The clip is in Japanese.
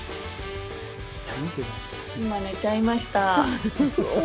寝ちゃいました。